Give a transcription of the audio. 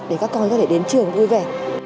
để các con có thể đến trường vui vẻ